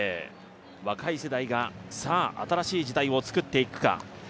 若い世代が新しい時代を作っていくか。